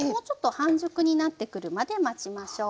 半熟になってくるまで待ちましょう。